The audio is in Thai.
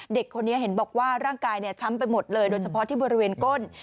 เด็กคนนี้เห็นบอกว่าร่างกายช้ำไปหมดเลยโดยเฉพาะที่บริเวณก้น